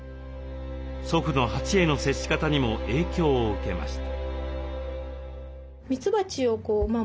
祖父の蜂への接し方にも影響を受けました。